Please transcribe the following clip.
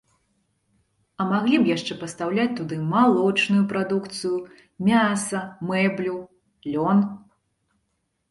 А маглі б яшчэ пастаўляць туды малочную прадукцыю, мяса, мэблю, лён.